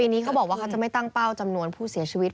ทีนี้เขาบอกว่าเขาจะไม่ตั้งเป้าจำนวนผู้เสียชีวิต